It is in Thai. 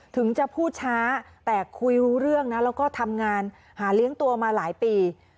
ถึงจะพูดช้าแต่คุยรู้เรื่องนะแล้วก็ทำงานหาเลี้ยงตัวมาหลายปี